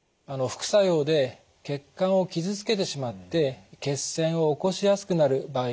副作用で血管を傷つけてしまって血栓を起こしやすくなる場合があります。